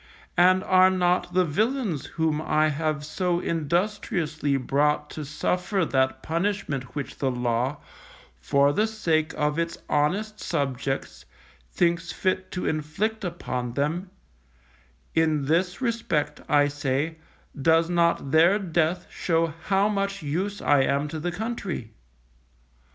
And are not the villains whom I have so industriously brought to suffer that punishment which the Law, for the sake of its honest subjects, thinks fit to inflict upon them in this respect, I say, does not their death show how much use I am to the country?